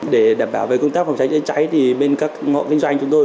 để đảm bảo về công tác phòng cháy chữa cháy thì bên các ngõ kinh doanh chúng tôi